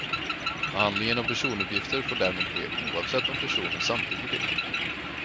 Behandlingen av personuppgifter får därmed ske oavsett om personen samtycker till det.